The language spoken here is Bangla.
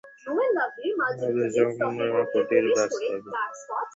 মধুচন্দ্রিমা কুটির, বাস্তবে।